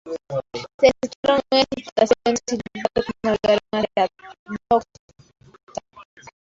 Se desecharon nuevas exploraciones y los barcos navegaron hacia Nootka.